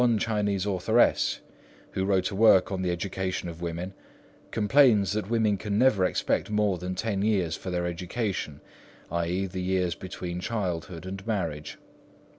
One Chinese authoress, who wrote a work on the education of women, complains that women can never expect more than ten years for their education, i.e. the years between childhood and marriage.